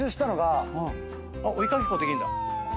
追い掛けっこできるんだ。